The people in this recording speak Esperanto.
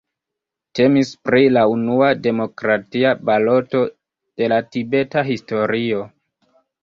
Temis pri la unua demokratia baloto de la tibeta historio.